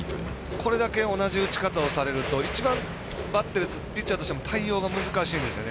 これだけ同じ打ち方をされると一番ピッチャーとしても対応が難しいんですよね。